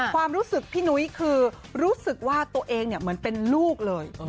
ความรู้สึกพี่นุ้ยคือรู้สึกว่าตัวเองเหมือนเป็นลูกเลย